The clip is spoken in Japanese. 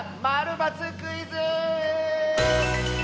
○×クイズ」！